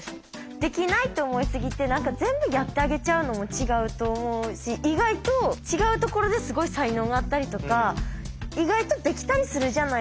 できないって思いすぎて全部やってあげちゃうのも違うと思うし意外と違うところですごい才能があったりとか意外とできたりするじゃないですか。